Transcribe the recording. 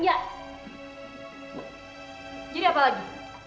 jadi apa lagi